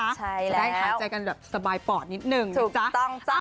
จะได้หาใจกันสบายปอดนิดนึง